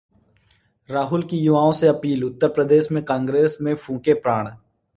राहुल की युवाओं से अपील, उत्तर प्रदेश में कांग्रेस में फूंकें प्राण